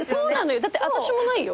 だって私もないよ。